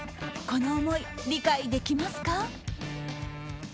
この思い、理解できますか？